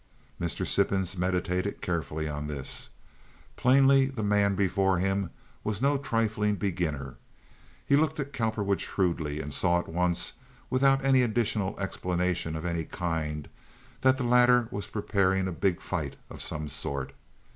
Mr. Sippens meditated carefully on this. Plainly, the man before him was no trifling beginner. He looked at Cowperwood shrewdly and saw at once, without any additional explanation of any kind, that the latter was preparing a big fight of some sort.